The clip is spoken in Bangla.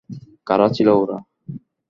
কারা ছিল ওরা?